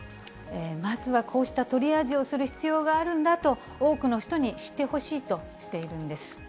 まずはこうしたトリアージをする必要があるんだと、多くの人に知ってほしいとしているんです。